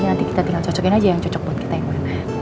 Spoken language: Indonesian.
nanti kita tinggal cocokin aja yang cocok buat kita yang mana